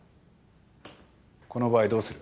この場合どうする？